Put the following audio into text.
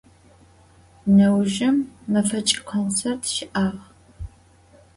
Neujjım mefeç' kontsêrt şı'ağ.